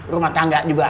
rumah tangga juga